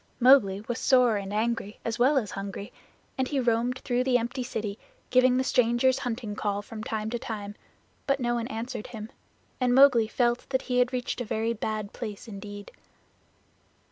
Mowgli was sore and angry as well as hungry, and he roamed through the empty city giving the Strangers' Hunting Call from time to time, but no one answered him, and Mowgli felt that he had reached a very bad place indeed.